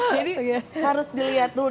jadi harus dilihat dulu